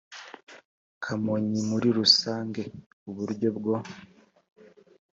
kamonyi muri rusange uburyo bwo